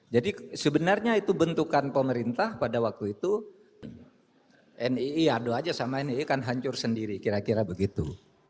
jadi sebenarnya itu bentukan pemerintah pada waktu itu nii adu saja sama nii kan hancur sendiri kira kira begitu